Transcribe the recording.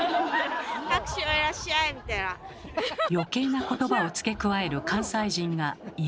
余計な言葉を付け加える関西人がいるとかいないとか。